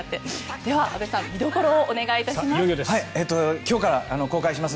では、阿部さん見どころをお願いします。